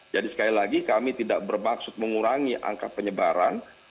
sekali lagi kami tidak bermaksud mengurangi angka penyebaran